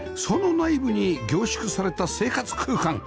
その内部に凝縮された生活空間